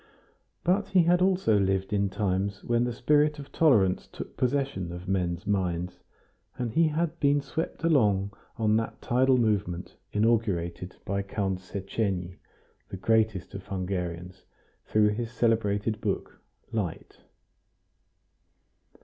But he had also lived in times when the spirit of tolerance took possession of men's minds, and he had been swept along on that tidal movement inaugurated by Count Szechenyi, the greatest of Hungarians, through his celebrated book, "Light."